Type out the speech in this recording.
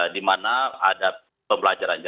di mana ada pembelajarannya